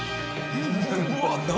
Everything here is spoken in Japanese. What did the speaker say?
うわっ何？